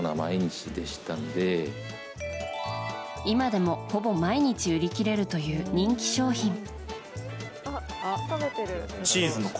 今でも、ほぼ毎日売り切れるという人気商品。